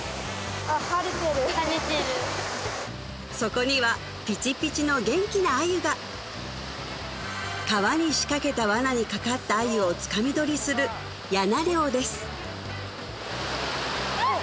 そこにはピチピチの元気な鮎が川に仕掛けたわなにかかった鮎をつかみ取りするやな漁ですわっ！